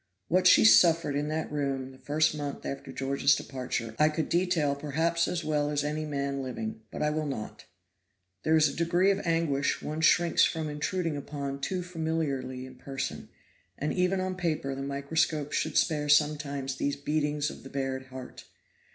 What she suffered in that room the first month after George's departure I could detail perhaps as well as any man living; but I will not. There is a degree of anguish one shrinks from intruding upon too familiarly in person; and even on paper the microscope should spare sometimes these beatings of the bared heart.